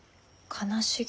悲しげ？